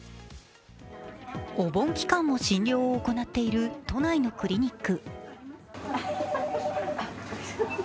お盆期間も診療を行っている都内のクリニック。